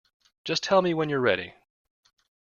Just tell me when you're ready.